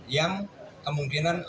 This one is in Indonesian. yang kemungkinan ada berbeda